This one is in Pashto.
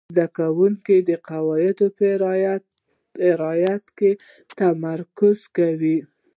زده کوونکي د قواعدو په رعایت تمرکز کاوه.